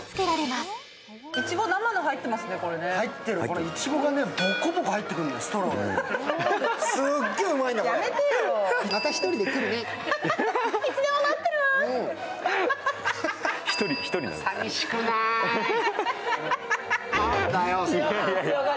すっげえうまいんだ。